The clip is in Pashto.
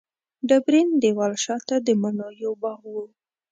ډبرین دېوال شاته د مڼو یو باغ و.